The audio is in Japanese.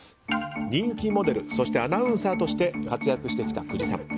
人気モデルそしてアナウンサーとして活躍してきた久慈さん。